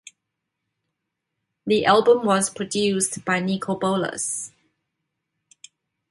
The album was produced by Niko Bolas.